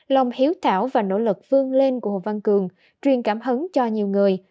lòng hiếu thảo và nỗ lực vương lên của hồ văn cường truyền cảm hứng cho nhiều người